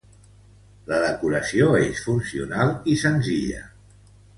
La decoració és funcional i senzilla.